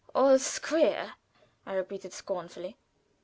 "All square?" I repeated, scornfully.